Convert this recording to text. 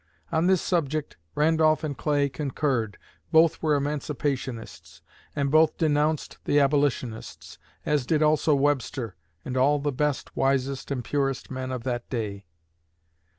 On this subject Randolph and Clay concurred; both were Emancipationists, and both denounced the Abolitionists; as did also Webster, and all the best, wisest, and purest men of that day.